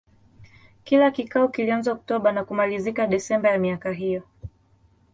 Kila kikao kilianza Oktoba na kumalizika Desemba ya miaka hiyo.